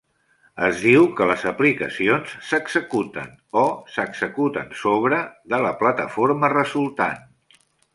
Es diu que les aplicacions "s'executen" o "s'executen sobre" de la plataforma resultant.